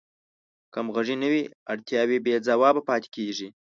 که همغږي نه وي اړتیاوې بې ځوابه پاتې کیږي.